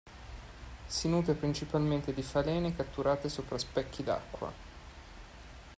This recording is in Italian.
Si nutre principalmente di falene catturate sopra specchi d'acqua.